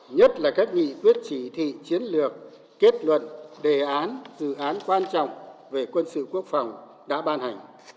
nhất là các nghị quyết chỉ thị chiến lược kết luận đề án dự án quan trọng về quân sự quốc phòng đã ban hành